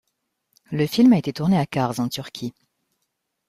Le film a été tourné à Kars, en Turquie.